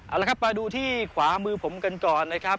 เอาละครับมาดูที่ขวามือผมกันก่อนนะครับ